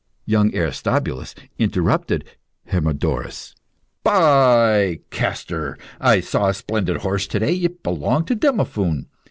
Young Aristobulus interrupted Hermodorus. "By Castor! I saw a splendid horse to day. It belonged to Demophoon.